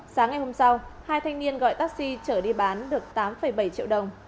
sáng ngày hôm sau hai thanh niên gọi taxi trở đi bán được tám bảy triệu đồng